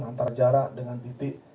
antara jarak dengan titik